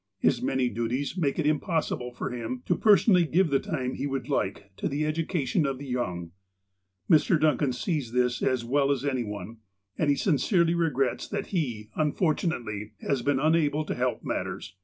His many duties make it impossi ble for him to personally give the time he would like to the education of the young. Mr. Duncan sees this as well as any one, and he sincerely regrets that he, unfortunately, has been unable to help matters.